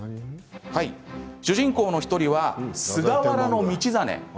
主人公の１人、菅原道真。